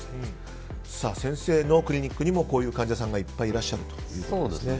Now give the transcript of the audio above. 先生のクリニックにもこういう患者さんがいっぱいいらっしゃるということですね。